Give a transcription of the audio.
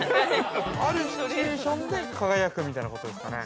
◆あるシチュエーションで輝くみたいなことですかね。